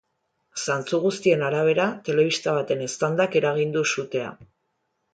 Zantzu guztien arabera, telebista baten eztandak eragin du sutea.